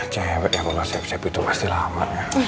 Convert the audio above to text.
cewek ya kalau siap siap itu pasti lama